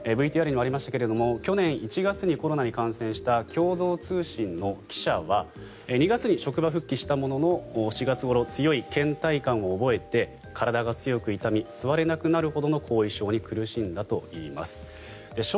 ＶＴＲにもありましたが去年１月にコロナに感染した共同通信の記者は２月に職場復帰したものの４月ごろ、強いけん怠感を訴えて体が強く痛み座れなくなるほどの後遺症に苦しんだといいます。